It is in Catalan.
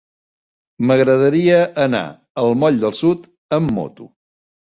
M'agradaria anar al moll del Sud amb moto.